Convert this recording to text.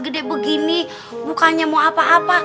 gede begini mukanya mau apa apa